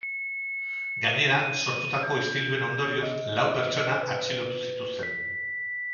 Gainera, sortutako istililuen ondorioz, lau pertsona atxilotu zituzten.